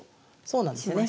そうなんですよね。